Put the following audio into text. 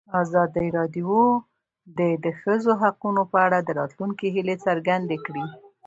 ازادي راډیو د د ښځو حقونه په اړه د راتلونکي هیلې څرګندې کړې.